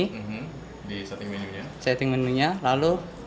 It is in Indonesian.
nah kita bisa lihat di menu setting